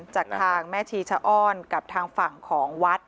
จากทางแม่ชีชะอ้อนกับทางฝั่งของวัด